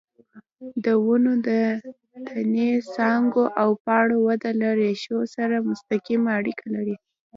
د ونو د تنې، څانګو او پاڼو وده له ریښو سره مستقیمه اړیکه لري.